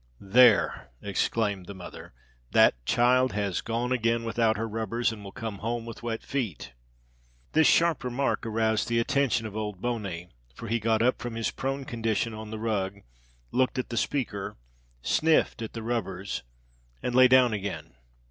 "There," exclaimed the mother, "that child has gone again without her rubbers and will come home with wet feet." This sharp remark aroused the attention of old Boney, for he got up from his prone condition on the rug, looked at the speaker, sniffed at the rubbers and lay down again.